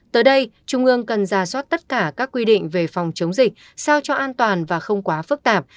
tới đây trung ương cần ra soát tất cả các quy định về phòng chống dịch sao cho an toàn và không quá phức tạp